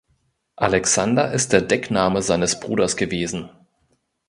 Alexander ist der Deckname seines Bruders gewesen.